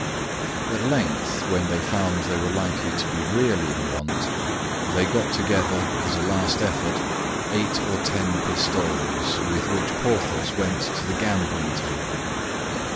At length when they found they were likely to be really in want, they got together, as a last effort, eight or ten pistoles, with which Porthos went to the gaming table.